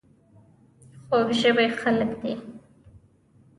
خوږ ژبې خلک دي .